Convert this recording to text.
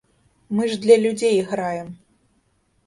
Мы ж для людзей граем.